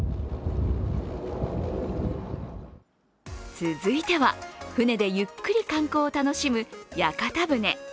続いては、船でゆっくり観光を楽しむ屋形船。